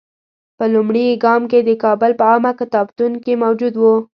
په لومړي ګام کې د کابل په عامه کتابتون کې موجود وو.